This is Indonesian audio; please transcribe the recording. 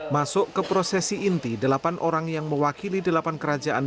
masuk ke prosesi inti delapan orang yang mewakili delapan kerajaan